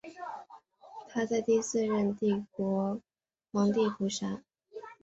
他在第四任帝国皇帝沙胡。